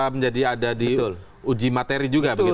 menjadi ada di uji materi juga begitu